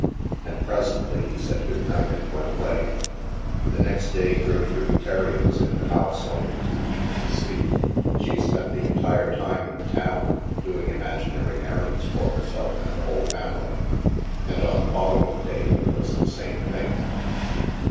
And presently he said good night and went away. The next day, Gertrude Terry was in the house only to eat and sleep. She spent the entire time in the town, doing imaginary errands for herself and the whole family. And on the following day, it was the same thing.